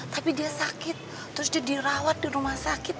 tapi dia sakit terus dia dirawat di rumah sakit